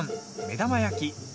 目玉焼き。